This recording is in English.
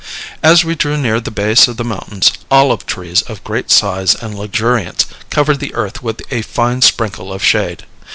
As we drew near the base of the mountains, olive trees of great size and luxuriance covered the earth with a fine sprinkle of shade.